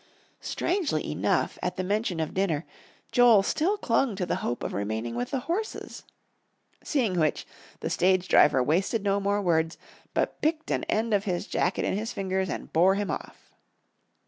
Strangely enough, at the mention of dinner, Joel still clung to the hope of remaining with the horses. Seeing which, the stage driver wasted no more words, but picked an end of his jacket in his fingers and bore him off.